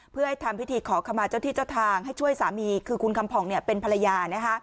เพื่อให้ทำพิธีขอขมาเจ้าที่เจ้าทางให้ช่วยสามีคือคุณคำผ่องเป็นภรรยา